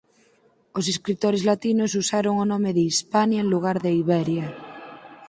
Os escritores latinos usaron o nome de Hispania en lugar de Iberia.